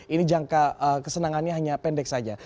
ini jangka kesenangannya hanya pendek saja